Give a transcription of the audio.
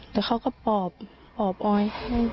แต่เขาก็ปอบปอบออย